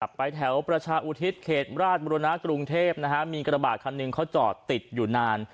ไปแถวประชาอุทิศเขตราชบุรณะกรุงเทพนะฮะมีกระบาดคันหนึ่งเขาจอดติดอยู่นาน